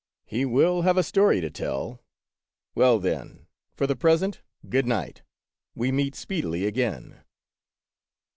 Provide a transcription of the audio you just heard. " He will have a story to tell ! Well, then, for the present, good night ! We meet speedily again